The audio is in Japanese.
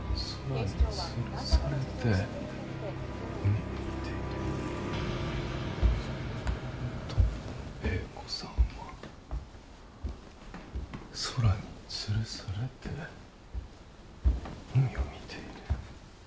「ロンドンのＡ子さんは空につるされて海を見ている」